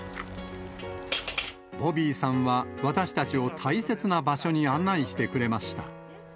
ボビーさんは私たちを大切な場所に案内してくれました。